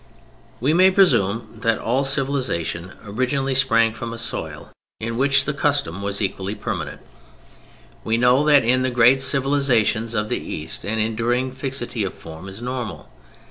We may presume that all civilization originally sprang from a soil in which custom was equally permanent. We know that in the great civilizations of the East an enduring fixity of form is normal.